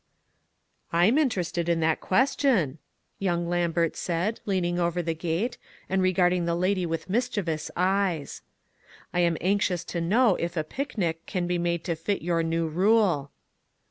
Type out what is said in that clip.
'•I'm interested in that question," young Lambert said, leaning over the gate, and re garding the lady with mischievous eyes. u I am anxious to know if a picnic can be made to fit your new rule."